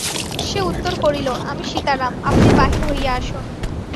সে উত্তর করিল, আমি সীতারাম, আপনি বাহির হইয়া আসুন।